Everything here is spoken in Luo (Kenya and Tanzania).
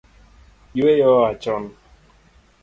Yueyo oa chon